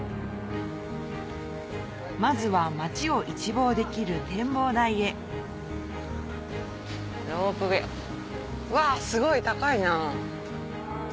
まずは街を一望できる展望台へロープウェイわすごい高いな。